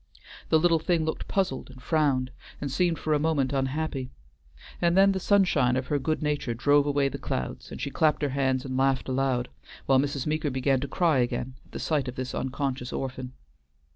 The little thing looked puzzled, and frowned, and seemed for a moment unhappy, and then the sunshine of her good nature drove away the clouds and she clapped her hands and laughed aloud, while Mrs. Meeker began to cry again at the sight of this unconscious orphan.